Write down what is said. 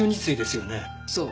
そう。